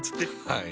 はい。